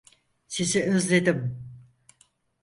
Sizi özledim.